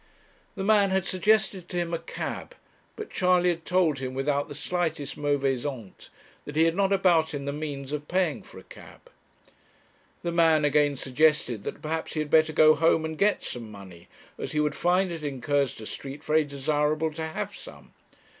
The man had suggested to him a cab; but Charley had told him, without the slightest mauvaise honte, that he had not about him the means of paying for a cab. The man again suggested that perhaps he had better go home and get some money, as he would find it in Cursitor Street very desirable to have some.